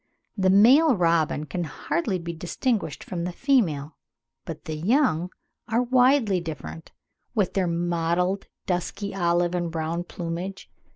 The male robin can hardly be distinguished from the female, but the young are widely different, with their mottled dusky olive and brown plumage.